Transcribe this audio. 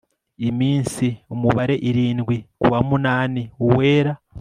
iminsi ubare irindwi kuwa munani uwera